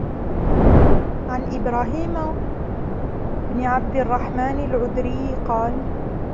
عَنْ إبْرَاهِيمَ بْنِ عَبْدِ الرَّحْمَنِ الْعُذْرِيِّ قَالَ